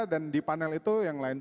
dan di panel itu yang lainnya